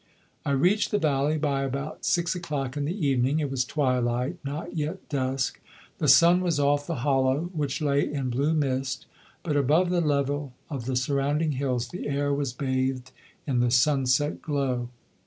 I reached the valley by about six o'clock in the evening. It was twilight, not yet dusk. The sun was off the hollow, which lay in blue mist, but above the level of the surrounding hills the air was bathed in the sunset glow.